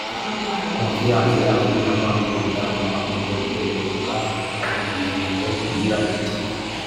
Confiance azwi na none mu bitaramo akunze gutegura mu ntego igira iti